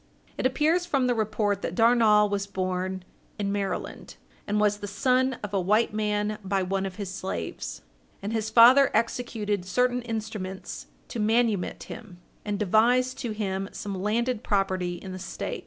It appears from the report that Darnall was born in Maryland, and was the son of a white man by one of his slaves, and his father executed certain instruments to manumit him, and devised to him some landed property in the State.